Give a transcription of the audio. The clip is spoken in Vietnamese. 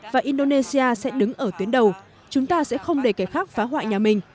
và indonesia sẽ đứng ở tuyến đầu chúng ta sẽ không để kẻ khác phá hoại nhà mình